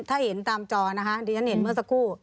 ถ้าเห็นตามจอนะคะที่ฉันเห็นเมื่อสักครู่